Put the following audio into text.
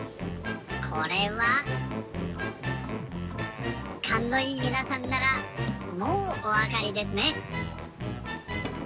これは。かんのいいみなさんならもうおわかりですね。